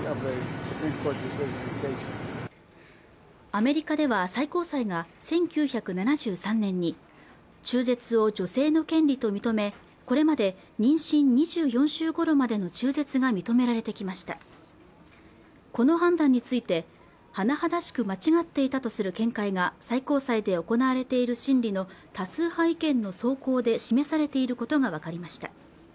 アメリカでは最高裁が１９７３年に中絶を女性の権利と認め、これまで妊娠２４週頃までの中絶が認められてきましたこの判断について甚だしく間違っていたとする見解が最高裁で行われている審理の多数派意見の草稿で示されていることが分かりました